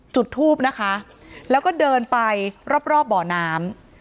จุดทูบนะคะแล้วก็เดินไปรอบบ่อน้ำ